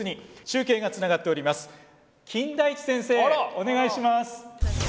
お願いします！